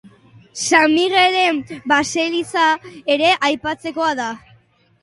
San Migelen baseliza ere aipatzekoa da.